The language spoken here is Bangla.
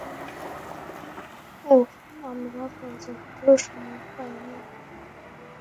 ওহ, আমরা পর্যাপ্ত সময় পাইনি!